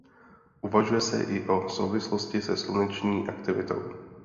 Uvažuje se i o souvislosti se sluneční aktivitou.